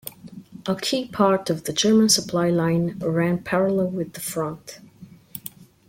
A key part of the German supply line ran parallel with the front.